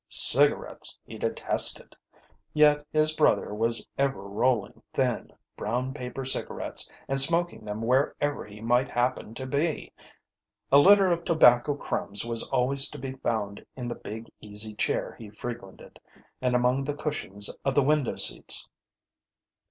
Cigarettes he detested. Yet his brother was ever rolling thin, brown paper cigarettes and smoking them wherever he might happen to be. A litter of tobacco crumbs was always to be found in the big easy chair he frequented and among the cushions of the window seats.